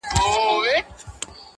• زما په غزل کي لکه شمع هره شپه لګېږې -